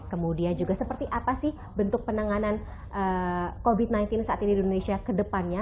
kemudian juga seperti apa sih bentuk penanganan covid sembilan belas saat ini di indonesia ke depannya